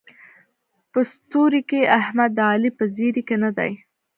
په ستروۍ کې احمد د علي په زېري کې نه دی.